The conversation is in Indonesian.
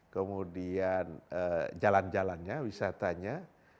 kemudian jalan jalannya wisatanya